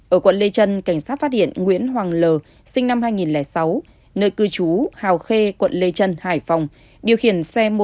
ở quận lê trân cảnh sát phát hiện nguyễn hoàng l sinh năm hai nghìn sáu nơi cư trú hào khê quận lê trân sinh năm hai nghìn sáu